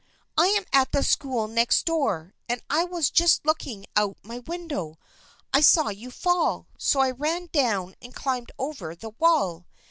" I am at the school next door, and I was just looking out of my window. I saw you fall, so I ran down and climbed over the wall.